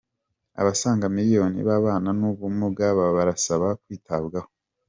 Abasaga miliyoni babana n’ubumuga barasaba kwitabwaho